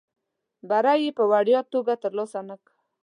بری یې په وړیا توګه ترلاسه نه کړ.